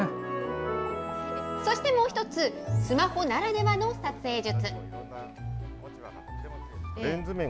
そしてもう一つ、スマホならではの撮影術。